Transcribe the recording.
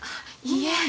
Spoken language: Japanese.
いいえ。